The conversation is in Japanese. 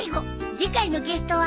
次回のゲストは。